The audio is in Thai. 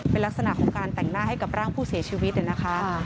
เป็นลักษณะของการแต่งหน้าให้กับร่างผู้เสียชีวิตเนี่ยนะคะ